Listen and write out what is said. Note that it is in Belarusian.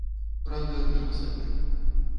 Праўда, не на сабе.